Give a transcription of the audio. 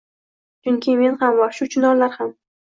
Chunki men ham bor, shu chinorlar ham bor.